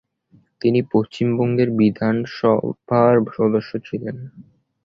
তিনি পশ্চিমবঙ্গ বিধানসভার সদস্য ছিলেন।